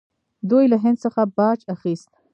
دوی له هند څخه باج اخیست